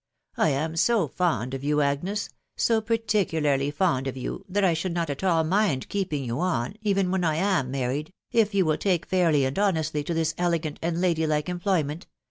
I am so fond of you, Agnes, so particularly fond of you* that I should not at all mind keeping you on, even when I am married, if yarn will take fairly and honestly to this elegant and lady like emr ployment